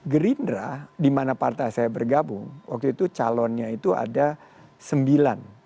gerindra di mana partai saya bergabung waktu itu calonnya itu ada sembilan